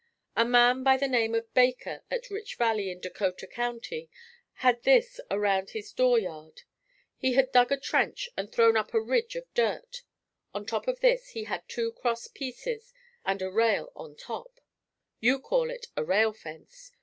A man by the name of Baker at Rich Valley in Dakota County had this around his door yard. He had dug a trench and thrown up a ridge of dirt. On top of this he had two cross pieces and a rail on top. You call it a rail fence.